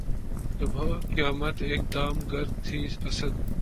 صبح قیامت ایک دم گرگ تھی اسدؔ